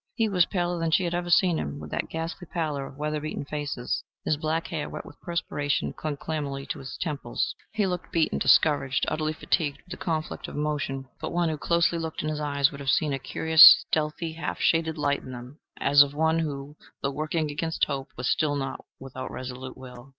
He was paler than she had ever seen him, with that ghastly pallor of weather beaten faces. His black hair, wet with perspiration, clung clammily to his temples. He looked beaten, discouraged, utterly fatigued with the conflict of emotion. But one who looked closely in his eyes would have seen a curious stealthy, half shaded light in them, as of one who, though working against hope, was still not without resolute will.